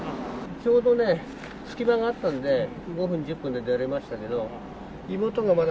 ちょうどね、隙間があったんで、５分、１０分で出られましたけど、妹がまだ。